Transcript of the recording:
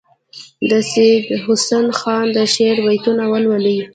د سیدحسن خان د شعر بیتونه ولولي.